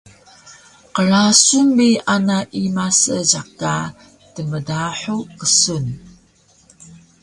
Qrasun bi ana ima seejiq ka “tmdahu” ksun